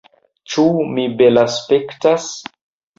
Ĉu mi belaspektas?